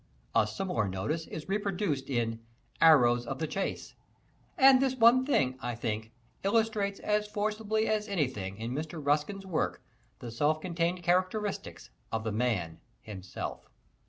A similar notice is reproduced in "Arrows of the Chace," and this one thing, I think, illustrates as forcibly as anything in Mr. Ruskin's work the self contained characteristics of the man himself.